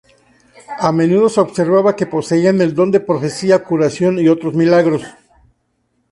A menudo se observaba que poseían el don de profecía, curación y otros milagros.